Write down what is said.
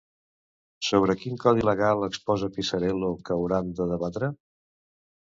Sobre quin codi legal exposa Pisarello que hauran de debatre?